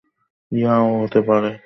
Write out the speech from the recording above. Yeah, হতে পারে।